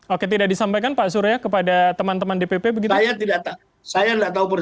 oke tidak disampaikan pak surya kepada teman teman dpp begitu ya